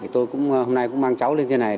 hôm nay tôi cũng mang cháu lên đây